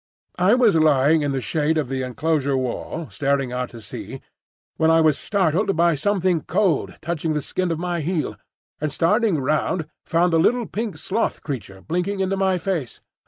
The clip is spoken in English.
I was lying in the shade of the enclosure wall, staring out to sea, when I was startled by something cold touching the skin of my heel, and starting round found the little pink sloth creature blinking into my face.